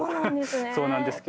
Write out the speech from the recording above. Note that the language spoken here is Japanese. そうなんですね！